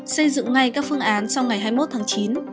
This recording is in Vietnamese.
xây dựng ngay các phương án trong ngày hai mươi một tháng chín